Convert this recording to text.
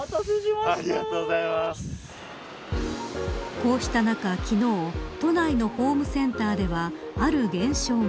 こうした中昨日、都内のホームセンターではある現象が。